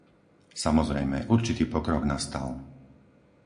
Samozrejme, určitý pokrok nastal.